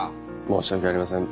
申し訳ありません。